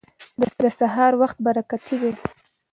د سهار وخت برکتي دی.